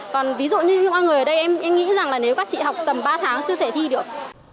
còn ví dụ như mọi người ở đây em nghĩ rằng là nếu các chị học tầm ba tháng chưa thể thi được